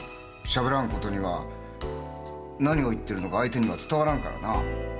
しゃべらんことには何を言ってるのか相手には伝わらんからな。